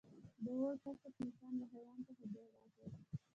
د اور کشف انسان له حیوان څخه جلا کړ.